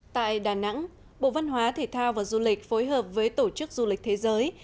tại đà nẵng bộ văn hóa thể thao và du lịch phối hợp với tổ chức du lịch thế giới